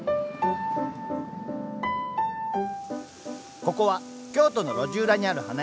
ここは京都の路地裏にある花屋「陽だまり屋」。